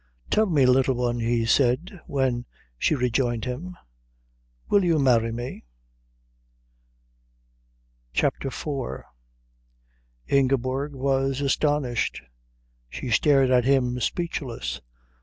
"Tell me, Little One," he said when she rejoined him, "will you marry me?" CHAPTER IV Ingeborg was astonished. She stared at him speechless.